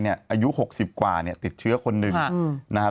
อายุ๖๐กว่าติดเชื้อคนหนึ่ง